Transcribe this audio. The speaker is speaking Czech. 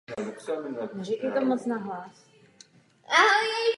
Dále pravděpodobně docházelo ke splynutí jednotlivých vládců v rámci dynastií.